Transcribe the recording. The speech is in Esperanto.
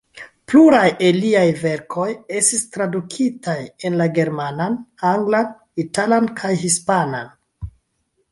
Pluraj el liaj verkoj estis tradukitaj en la germanan, anglan, italan kaj hispanan.